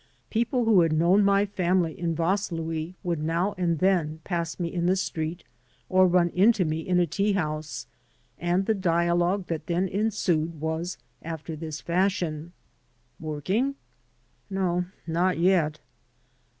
People who had known my family in Vaslui woidd now and then pass me in the street or run into me in a tea house, and the dialogue that then ensued was after this fashion : "Working?" "No, not yet."